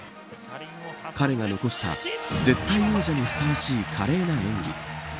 彼が残した絶対王者にふさわしい華麗な演技。